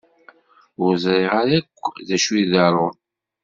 Ur ẓriɣ ara akk d acu iḍerrun.